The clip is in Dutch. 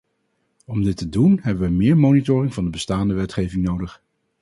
Om dit te doen hebben we meer monitoring van de bestaande wetgeving nodig.